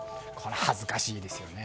恥ずかしいですよね。